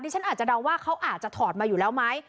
ฉันอาจจะเดาว่าเขาอาจจะถอดมาอยู่แล้วไหม